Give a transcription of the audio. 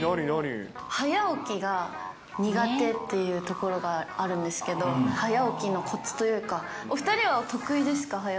早起きが苦手っていうところがあるんですけど、早起きのこつというか、お２人は得意ですか？